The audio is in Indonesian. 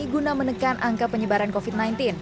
guna menekan angka penyebaran covid sembilan belas